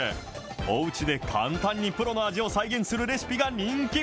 おうちで簡単にプロの味を再現するレシピが人気。